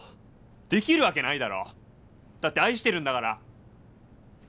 できるわけないだろ！だって愛してるんだから。